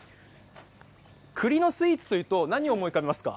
栗のスイーツというと何を思い浮かべますか？